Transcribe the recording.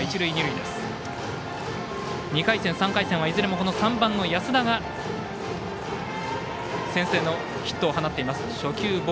２回戦、３回戦はいずれも安田が先制のヒットを放っています。